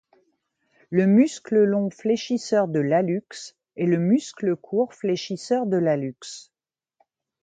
Le muscle long fléchisseur de l'hallux et le muscle court fléchisseur de l'hallux.